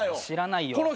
知らないよ。